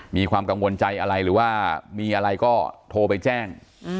มีความกังวลใจอะไรหรือว่ามีอะไรก็โทรไปแจ้ง